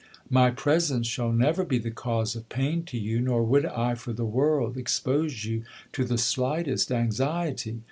My presence shall never be the cause of pain to you ; nor would I for the world expose you to the slightest anxiety.